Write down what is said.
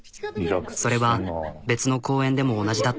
それは別の公演でも同じだった。